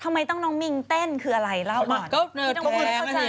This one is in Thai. ทำไมต้องน้องมิงเต้นคืออะไรเล่าก่อน